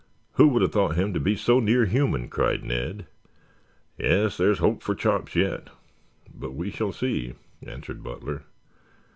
"Who would have thought him to be so near human?" cried Ned. "Yes, there's hope for Chops yet. But we shall see," answered Butler.